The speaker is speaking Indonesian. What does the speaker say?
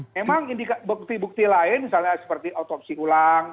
memang indikat bukti bukti lain misalnya seperti otopsi pulang